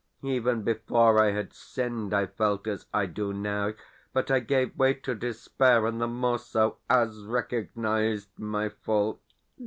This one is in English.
Even before I had sinned I felt as I do now; but I gave way to despair, and the more so as recognised my fault.